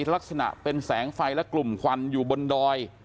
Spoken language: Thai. ลักษณะเป็นแสงไฟและกลุ่มควันอยู่บนดอย